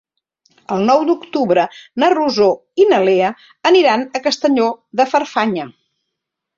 El nou d'octubre na Rosó i na Lea aniran a Castelló de Farfanya.